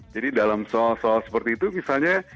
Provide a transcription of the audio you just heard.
jadi dalam soal soal seperti itu misalnya